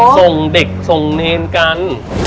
ส่งเด็กส่งเนรกัน